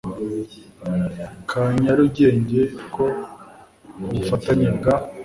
ka Nyarugenge ko ubufatanye bwa